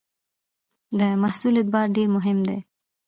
د محصول اعتبار ډېر مهم دی.